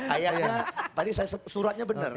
ayahnya tadi saya suratnya benar